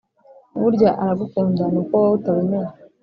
burya aragukunda ni uko wowe utabimenya